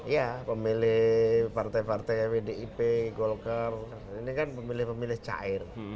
iya pemilih partai partai wdip golker ini kan pemilih pemilih cair